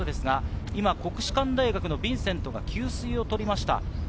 国士館大学のヴィンセントが給水を取りました。